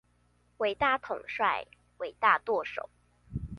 偉大統帥、偉大舵手